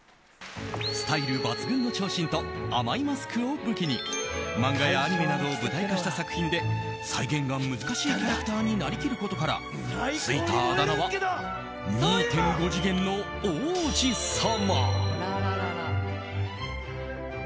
スタイル抜群の長身と甘いマスクを武器に漫画やアニメなどを舞台化した作品で再現が難しいキャラクターになりきることからついたあだ名は２．５次元の王子様。